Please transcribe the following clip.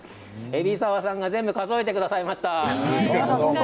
海老沢さんが全部数えてくださいました。